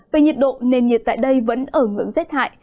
về nhiệt độ nền nhiệt tại đây vẫn ở ngưỡng rét hại